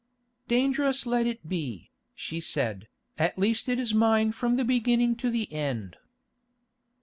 "Dangerous let it be," she said; "at least it is mine from the beginning to the end."